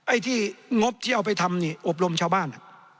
ไอ้ที่งบที่เอาไปทำนี่อบรมชาวบ้าน